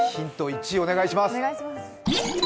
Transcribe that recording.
１お願いします。